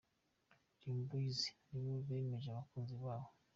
Dream Boys nabo banejeje abakunzi babo.